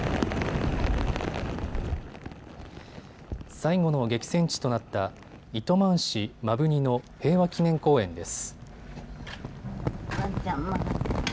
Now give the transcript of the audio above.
最後の激戦地となった糸満市摩文仁の平和祈念公園です。